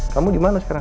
kamu dimana sekarang